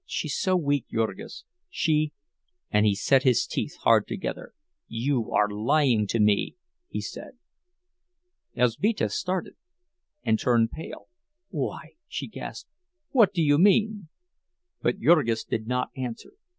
She's so weak, Jurgis, she—" And he set his teeth hard together. "You are lying to me," he said. Elzbieta started, and turned pale. "Why!" she gasped. "What do you mean?" But Jurgis did not answer.